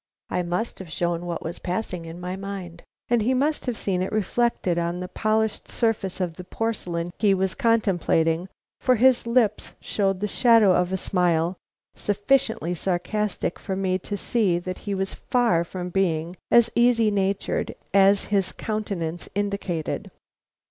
I must have shown what was passing in my mind, and he must have seen it reflected on the polished surface of the porcelain he was contemplating, for his lips showed the shadow of a smile sufficiently sarcastic for me to see that he was far from being as easy natured as his countenance indicated.